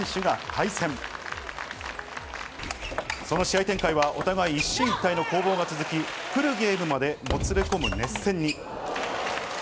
明日の試合展開はお互い、一進一退の攻防が続き、フルゲームまでもつれ込む熱戦に。